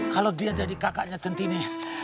kalau dia jadi kakaknya centini